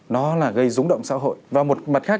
nó là gây rúng động xã hội và một mặt khác